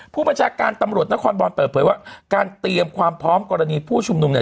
ผู้บัญชาการตำรวจนครบานเปิดเผยว่าการเตรียมความพร้อมกรณีผู้ชุมนุมเนี่ย